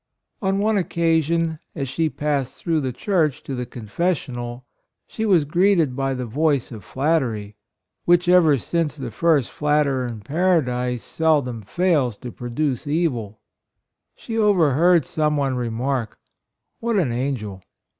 On one occasion, as she passed through the Church to the Confes sional, she was greeted by the voice of flattery, which ever since the first flatterer in Paradise seldom fails to produce evil. She overheard some one remark, what an angel!